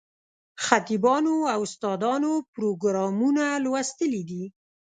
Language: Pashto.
خطیبانو او استادانو پروګرامونه لوستلي دي.